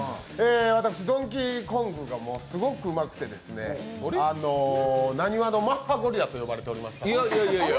私、ドンキーコングがすごくうまくて、「なにわのマッハゴリラ」と呼ばれておりました。